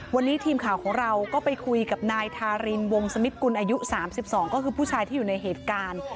วันนี้ทีมข่าวของเราก็ไปคุยกับนายทารินวงสมิตกุลอายุ๓๒ก็คือผู้ชายที่อยู่ในเหตุการณ์